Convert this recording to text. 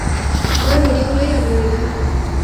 ওরা রেডি হলেই আমরা রেডি হবো।